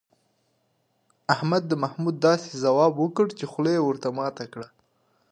احمد د محمود داسې ځواب وکړ، چې خوله یې ور ماته کړه.